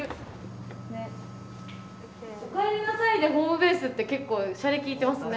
おかえりなさいでホームベースって結構しゃれきいてますね。